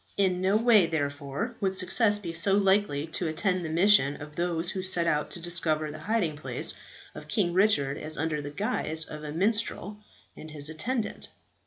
In no way, therefore, would success be so likely to attend the mission of those who set out to discover the hiding place of King Richard as under the guise of a minstrel and his attendant.